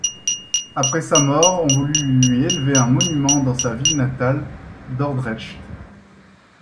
Après sa mort, on voulut lui élever un monument dans sa ville natale, Dordrecht.